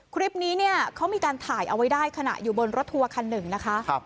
คลิปนี้เนี่ยเขามีการถ่ายเอาไว้ได้ขณะอยู่บนรถทัวร์คันหนึ่งนะคะ